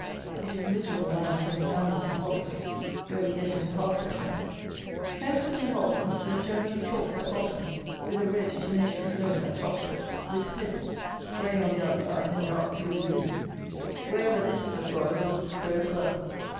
It is miserable land from Stanmore to Watford, where we get into Hertfordshire. Hence to Saint Albans there is generally chalk at bottom with a red tenacious loam at top, with flints, grey on the outside and dark blue within. Wherever this is the soil, the wheat grows well.